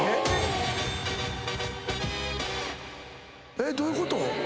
えっどういうこと？